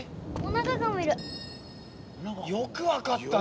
よくわかったね。